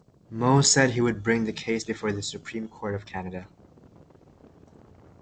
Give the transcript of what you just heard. Moe said he would bring the case before the Supreme Court of Canada.